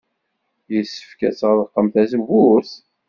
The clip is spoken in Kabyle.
Yessefk ad tɣelqem tazewwut?